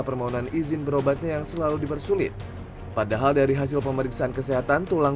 permohonan izin berobatnya yang selalu dipersulit padahal dari hasil pemeriksaan kesehatan tulang